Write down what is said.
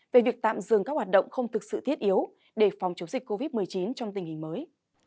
về việc tạm dừng các hoạt động không thực sự thiết yếu để phòng chống dịch covid một mươi chín trong tình hình mới